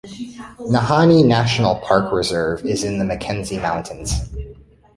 Nahanni National Park Reserve is in the Mackenzie Mountains.